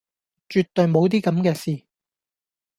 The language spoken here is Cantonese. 絕對無啲咁既事